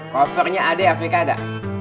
kopernya ada avk ada